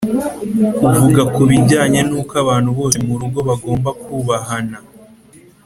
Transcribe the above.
Uvuga ku bijyanye nuko abantu bose mu rugo bagomba kubahana